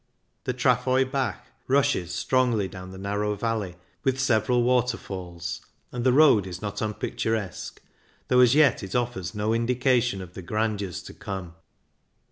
The Trafoi Bach rushes strongly down the narrow valley, with several waterfalls, and the road is not unpicturesque, though as yet it offers no indication of the grandeurs to come.